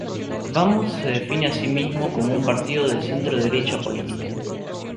Vamos se define así mismo como un partido de centro derecha política.